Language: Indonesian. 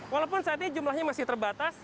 walaupun saat ini jumlahnya masih terbatas